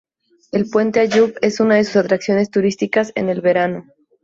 El puente Ayub es una de sus atracciones turísticas en el verano.